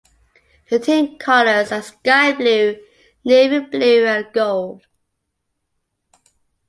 The team colours are sky blue, navy blue and gold.